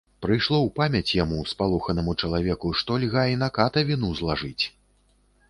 Прыйшло у памяць яму, спалоханаму чалавеку, што льга і на ката віну злажыць.